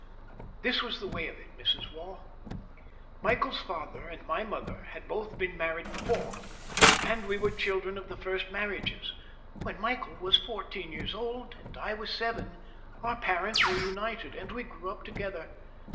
This was the way of it, Mrs. Waugh: Michael's father and my mother had both been married before, and we were children of the first marriages; when Michael was fourteen years old, and I was seven, our parents were united, and we grew up together.